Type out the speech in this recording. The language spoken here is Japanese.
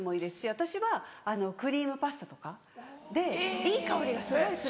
私はクリームパスタとかでいい香りがすごいするんです。